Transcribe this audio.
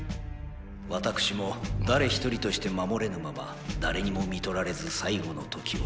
私も誰一人として守れぬまま誰にも看取られず最期の時を。